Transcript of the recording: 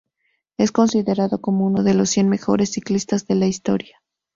Es considerado como uno de los cien mejores ciclistas de la historia.